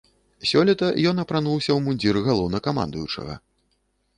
Сёлета ён апрануўся ў мундзір галоўнакамандуючага.